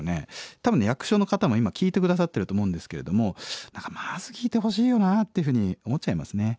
多分ね役所の方も今聴いて下さってると思うんですけれどもまず聞いてほしいよなっていうふうに思っちゃいますね。